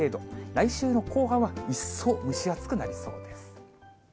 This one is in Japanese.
来週の後半は、一層蒸し暑くなりそうです。